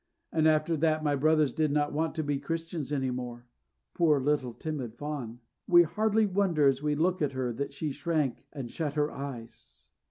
"And after that my brothers did not want to be Christians any more." Poor little timid Fawn! We hardly wonder as we look at her that she shrank and shut her eyes.